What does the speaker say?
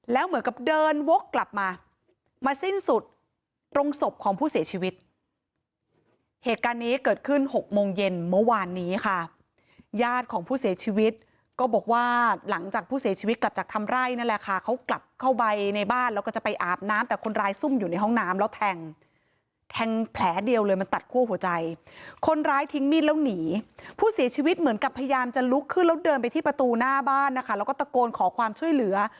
แล้วเหมือนกับเดินโว๊คกลับมามาสิ้นสุดตรงศพของผู้เสียชีวิตเหตุการณ์นี้เกิดขึ้นหกโมงเย็นเมื่อวานนี้ค่ะญาติของผู้เสียชีวิตก็บอกว่าหลังจากผู้เสียชีวิตกลับจากทำไร่นั่นแหละค่ะเขากลับเข้าไปในบ้านแล้วก็จะไปอาบน้ำแต่คนร้ายซุ่มอยู่ในห้องน้ำแล้วแทงแผลเดียวเลยมันตัดคั่วหั